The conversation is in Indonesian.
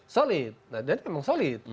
solid nah jadi emang solid